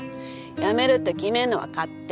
辞めるって決めんのは勝手。